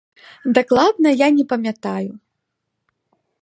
Дакладна я не памятаю.